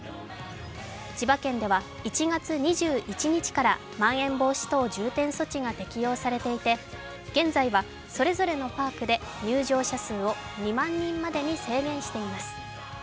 千葉県では１月２１日からまん延防止等重点措置が適用されていて、現在はそれぞれのパークで入場者数を２万人までに制限しています。